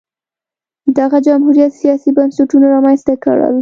دغه جمهوریت سیاسي بنسټونه رامنځته کړل